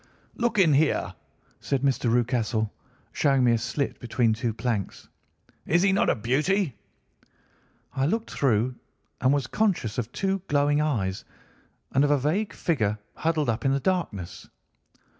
"'Look in here!' said Mr. Rucastle, showing me a slit between two planks. 'Is he not a beauty?' "I looked through and was conscious of two glowing eyes, and of a vague figure huddled up in the darkness.